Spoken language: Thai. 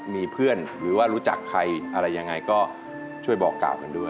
มีเพื่อนหรือว่ารู้จักใครอะไรยังไงก็ช่วยบอกกล่าวกันด้วย